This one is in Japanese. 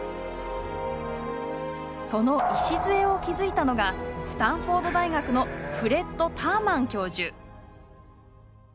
その礎を築いたのがスタンフォード大学のフレッド・ターマン教授。